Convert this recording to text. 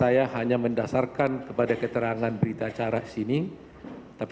yang datang pada waktu itu